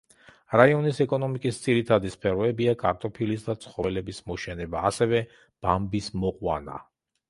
რაიონის ეკონომიკის ძირითადი სფეროებია, კარტოფილის და ცხოველების მოშენება, ასევე ბამბის მოყვანა.